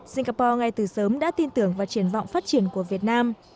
singapore ngay từ sớm đã tin tưởng vào triển vọng phát triển của việt nam